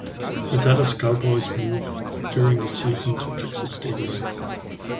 The Dallas Cowboys moved during the season to Texas Stadium.